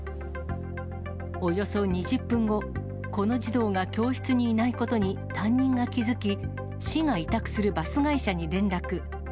およそ２０分後、この児童が教室にいないことに担任が気付き、市が委託するバス会社に連絡。